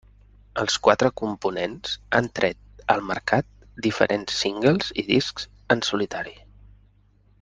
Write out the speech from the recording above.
Els quatre components han tret al mercat diferents singles i discs en solitari.